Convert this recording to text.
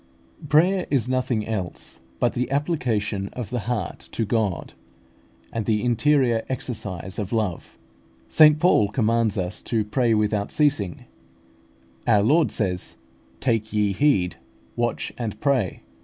Prayer is nothing else but the application of the heart to God, and the interior exercise of love. St Paul commands us to "pray without ceasing" (1 Thess. v. 17). Our Lord says: "Take ye heed, watch and pray."